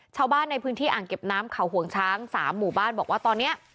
ชาวบ้านในพื้นที่อ่างเก็บน้ำเขาห่วงช้าง๓หมู่บ้านบอกว่าตอนนี้